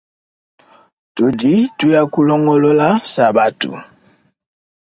Tudi tuya kulongolola sabatu.